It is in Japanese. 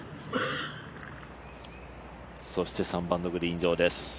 そして３番のグリーン上です。